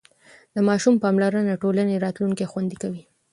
د ماشوم پاملرنه د ټولنې راتلونکی خوندي کوي.